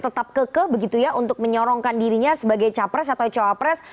tetap ke ke begitu ya untuk menyorongkan dirinya sebagai cawapres atau cawapres